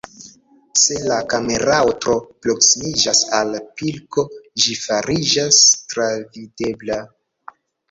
Se la kamerao tro proksimiĝas al pilko, ĝi fariĝas travidebla.